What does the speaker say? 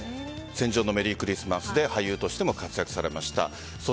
「戦場のメリークリスマス」で俳優としても活躍されました。